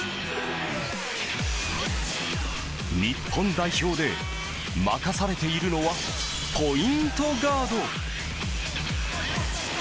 日本代表で任されているのはポイントガード。